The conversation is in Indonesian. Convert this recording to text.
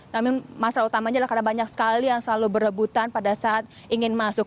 namun masalah utamanya adalah karena banyak sekali yang selalu berebutan pada saat ingin masuk